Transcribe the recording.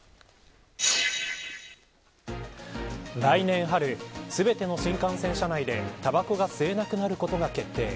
来年春、全ての新幹線車内でタバコが吸えなくなることが決定。